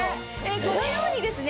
このようにですね